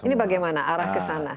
ini bagaimana arah ke sana